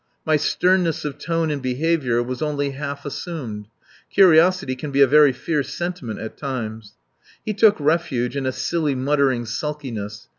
My sternness of tone and behaviour was only half assumed. Curiosity can be a very fierce sentiment at times. He took refuge in a silly, muttering sulkiness.